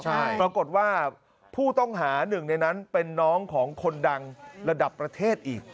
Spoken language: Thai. ปรากฏว่าผู้ต้องหาหนึ่งในนั้นเป็นน้องของคนดังระดับประเทศอีก